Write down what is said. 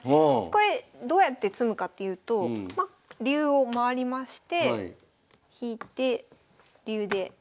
これどうやって詰むかっていうとま竜を回りまして引いて竜で。